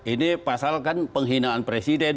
ini pasal kan penghinaan presiden